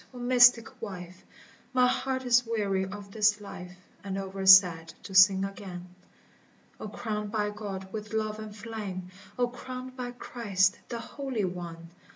O mystic wife ! My heart is weary of this life And over sad to sing again. O crowned by God with love and flame ! O crowned by Christ the Holy One